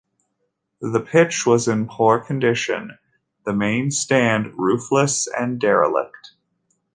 The pitch was in poor condition, the main stand roofless and derelict.